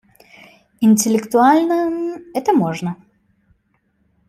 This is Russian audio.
Интеллектуальном - это можно.